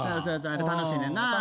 あれ楽しいねんな。